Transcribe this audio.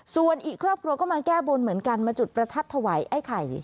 ส่วนอีกครอบครัวก็มาแก้บนเหมือนกันมาจุดประทัดถวายไอ้ไข่